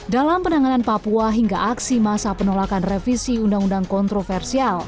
dalam penanganan papua hingga aksi masa penolakan revisi undang undang kontroversial